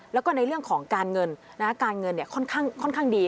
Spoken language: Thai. แล้วก็ในเรื่องของการเงินการเงินค่อนข้างดี